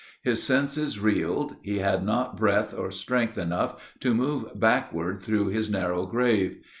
His senses reeled; he had not breath or strength enough to move backward through his narrow grave.